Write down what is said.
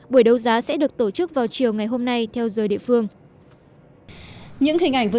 buổi đấu giá sẽ được tổ chức vào chiều ngày hôm nay theo giờ địa phương